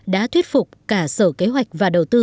đã thuyết phục cả sở kế hoạch và đầu tư